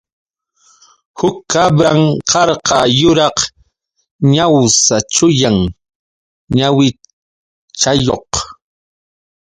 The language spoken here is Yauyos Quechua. Huk kabran karqa yuraq ñawsa chullan ñawichayuq.